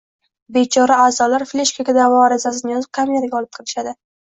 Bechora a'zolar fleshkaga da'vo arizasini yozib, kameraga olib kelishadi